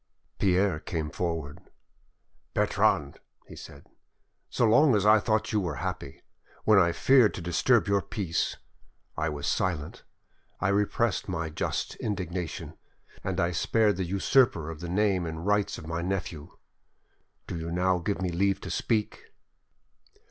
Pierre came forward. "Bertrande," he said, "so long as I thought you were happy, when I feared to disturb your peace, I was silent, I repressed my just indignation, and I spared the usurper of the name and rights of my nephew. Do you now give me leave to speak?"